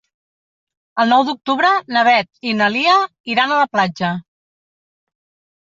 El nou d'octubre na Beth i na Lia iran a la platja.